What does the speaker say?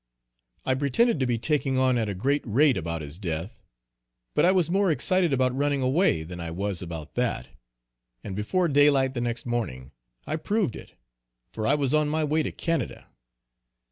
I pretended to be taking on at a great rate about his death, but I was more excited about running away, than I was about that, and before daylight the next morning I proved it, for I was on my way to Canada.